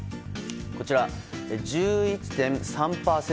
こちら、１１．３％。